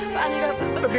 pak enggak bapak